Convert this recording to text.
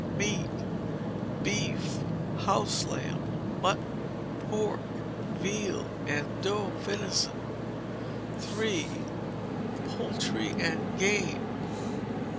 Meat. Beef, house lamb, mutton, pork, veal, and doe venison. iii. Poultry and Game.